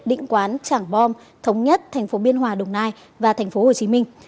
định quán tràng bom thống nhất thành phố biên hòa đồng nai và thành phố hồ chí minh